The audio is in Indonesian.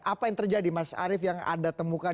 apa yang terjadi mas arief yang anda temukan